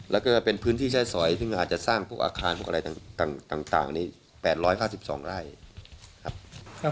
แล้วก็เป็นพื้นที่ใช้สอยซึ่งอาจจะสร้างพวกอาคารพวกอะไรต่างนี้๘๕๒ไร่ครับ